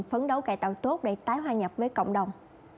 phấn đấu cải tạo tốt để tái hoa nhập với cộng đồng